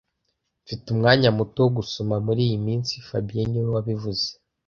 Mfite umwanya muto wo gusoma muriyi minsi fabien niwe wabivuze